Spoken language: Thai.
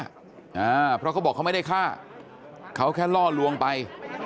อ่าเพราะเขาบอกเขาไม่ได้ฆ่าเขาแค่ล่อลวงไป